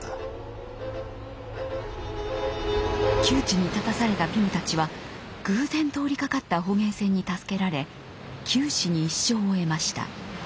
窮地に立たされたピムたちは偶然通りかかった捕鯨船に助けられ九死に一生を得ました。